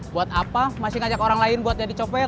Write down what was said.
buat apa masih ngajak orang lain buat jadi copet